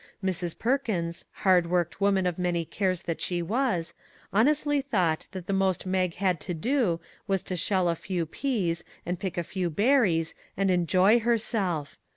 Mrs. Perkins, hard worked woman of many cares that she was, honestly thought that the most Mag had to do was to shell a few peas, and pick a few berries, and en joy herself!